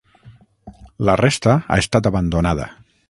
La resta ha estat abandonada.